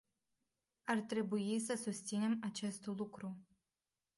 Ar trebui să susținem acest lucru.